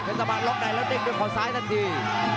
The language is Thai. เทศกรรมลองในแล้วเด็กด้วยข้อซ้ายทันที